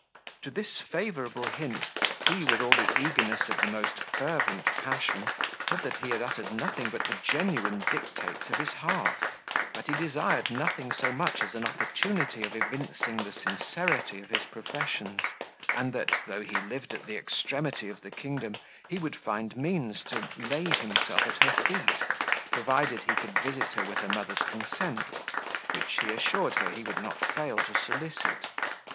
To this favourable hint he with all the eagerness of the most fervent passion, that he had uttered nothing but the genuine dictates of his heart; that he desired nothing so much as an opportunity of evincing the sincerity of his professions; and that, though he lived at the extremity of the kingdom, he would find means to lay himself at her feet, provided he could visit her with her mother's consent, which he assured her he would not fail to solicit.